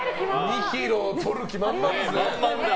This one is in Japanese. ２ｋｇ取る気満々ですね。